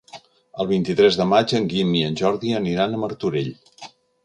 El vint-i-tres de maig en Guim i en Jordi aniran a Martorell.